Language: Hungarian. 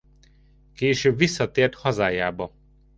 Később visszatért hazájába.